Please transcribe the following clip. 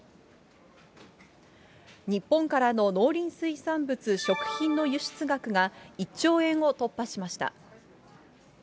日本からの農林水産物・食品の輸出額が、１兆円を突破しました。